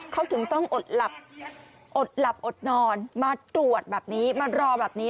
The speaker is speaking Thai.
เขาถึงต้องอดหลับอดหลับอดนอนมาตรวจแบบนี้มารอแบบนี้